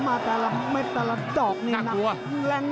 ติดตามยังน้อยกว่า